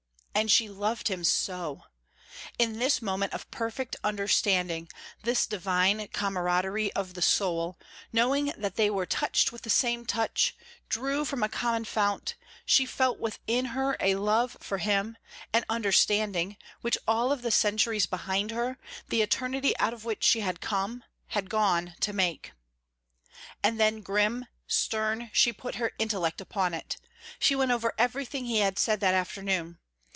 And she loved him so! In this moment of perfect understanding, this divine camaraderie of the soul knowing that they were touched with the same touch drew from a common fount she felt within her a love for him, an understanding, which all of the centuries behind her, the eternity out of which she had come had gone to make. And then, grim, stern, she put her intellect upon it. She went over everything he had said that afternoon.